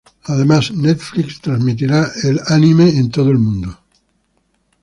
Además Netflix transmitirá el anime en todo el mundo.